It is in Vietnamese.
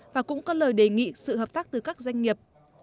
và cũng có lời đề nghị sự hợp tác từ các doanh nghiệp